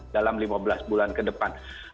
dalam lima belas bulan ke depan